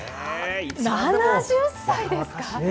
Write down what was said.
７０歳ですか。